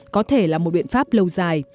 có thể là một biện pháp lâu dài